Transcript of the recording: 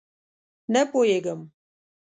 _نه پوهېږم.